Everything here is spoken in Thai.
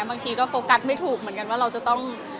บางทีก็โฟกัสไม่ถูกเหมือนกันว่าเราจะต้อง